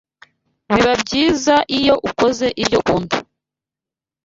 Biba byiza iyo ukoze ibyo ukunda